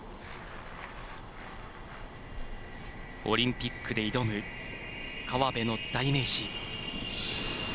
オリンピックで挑む河辺の代名詞。